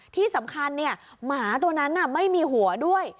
ที่สำคัญเนี้ยหมาตัวนั้นน่ะไม่มีหัวด้วย